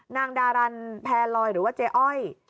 นางดารันแพรลอยหรือว่าเจ๊อ้อย